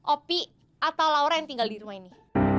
opi atau laura yang tinggal di rumah ini